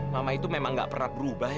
mama itu memang gak pernah berubah ya